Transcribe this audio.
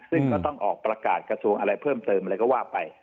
ซึ่งก็ต้องออกประกาศกระทรวงอะไรเพิ่มเติมอะไรก็ว่าไป